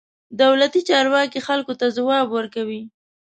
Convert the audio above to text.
دولتي چارواکي خلکو ته ځواب ورکوي.